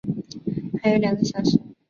还有两个小时